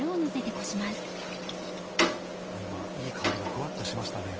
今いい香りがふわっとしましたね。